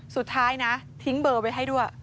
สุดท้ายนะทิ้งเบอร์ไว้ให้ด้วย